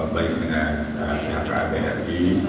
baik dengan pihak kabri